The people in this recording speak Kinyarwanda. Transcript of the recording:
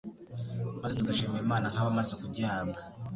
maze tugashimira Imana nk'abamaze kugihabwa.